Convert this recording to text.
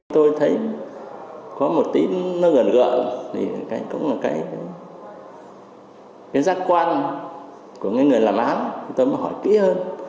tôi thấy có một tí nó gần gợn thì cũng là cái giác quan của người làm án tôi mới hỏi kỹ hơn